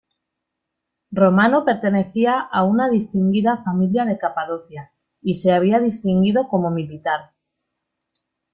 Romano pertenecía a una distinguida familia de Capadocia, y se había distinguido como militar.